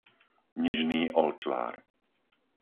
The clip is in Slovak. Nižný Olčvár